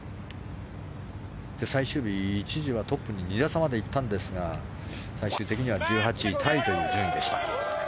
最終日、一時はトップに２打差まで行ったんですが最終的には１８位タイという順位でした。